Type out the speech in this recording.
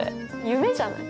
夢じゃない？